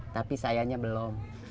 tapi sayanya belum